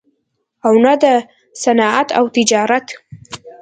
او نه دَصنعت او تجارت